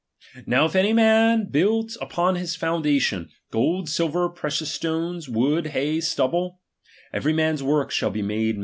Now j/" any man hnild upon this foundation, gold, silver, precious stones, wood, hai/y stubble ; every man's work shall be made